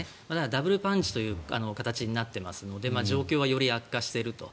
ダブルパンチという形になっていますので状況はより悪化していると。